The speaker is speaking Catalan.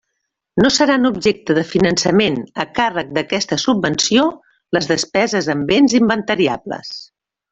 No seran objecte de finançament a càrrec d'aquesta subvenció les despeses en béns inventariables.